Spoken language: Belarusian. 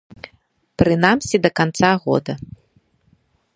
Прынамсі да канца года.